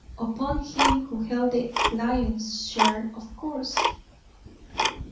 "Upon him who held the lion's share, of course."